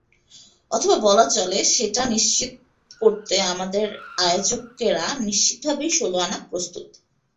অথবা বলা চলে সেটা নিশ্চিত করতে আমাদের আয়োজকেরা নিশ্চিতভাবেই ষোলো আনা প্রস্তুত।